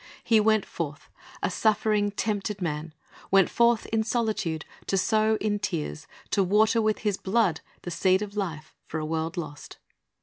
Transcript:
He w^ent forth, a suffering, tempted man; went forth in solitude, to sow in tears, to water with His blood, the seed of life for a world lost.